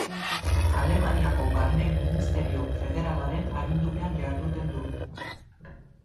Alemaniako Barne Ministerio Federalaren agindupean jarduten du.